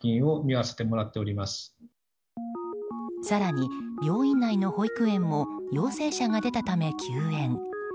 更に病院内の保育園も陽性者が出たため休園。